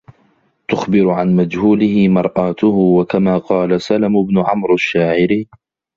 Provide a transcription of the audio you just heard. تُخْبِرُ عَنْ مَجْهُولِهِ مَرَآتُهُ وَكَمَا قَالَ سَلَمُ بْنُ عَمْرٍو الشَّاعِرِ